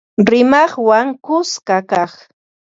Rimaqwan kuska kaq